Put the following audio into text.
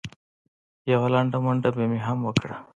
یوه لنډه منډه به مې هم وکړه.